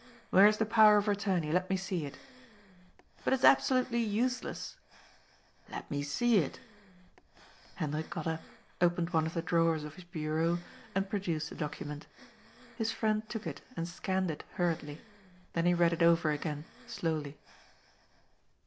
Where is the power of attorney ? Let me see it" ^' But it is absolutely useless !"" Let me see it" Hendrik got up, opened one of the drawers of his bureau, and produced the document His friend took it and scanned it hurriedly. Then he read it over again, slowly.